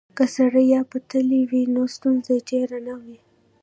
که سړک یا پټلۍ وي نو ستونزه ډیره نه وي